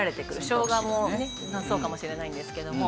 しょうがもねそうかもしれないんですけども。